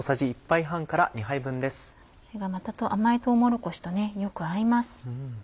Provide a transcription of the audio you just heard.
これがまた甘いとうもろこしとよく合います。